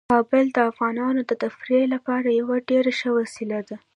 کابل د افغانانو د تفریح لپاره یوه ډیره ښه وسیله ده.